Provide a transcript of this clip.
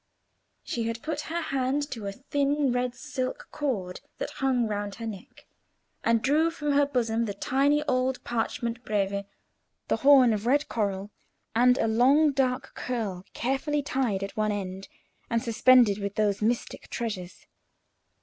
She had put her hand to a thin red silk cord that hung round her neck, and drew from her bosom the tiny old parchment Breve, the horn of red coral, and a long dark curl carefully tied at one end and suspended with those mystic treasures.